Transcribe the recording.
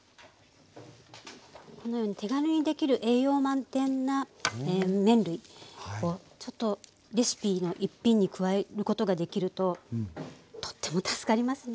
このように手軽にできる栄養満点な麺類をレシピの一品に加えることができるととっても助かりますね。